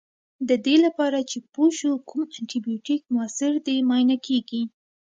دې لپاره چې پوه شو کوم انټي بیوټیک موثر دی معاینه کیږي.